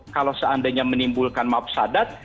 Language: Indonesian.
kalau seandainya menimbulkan maaf sadat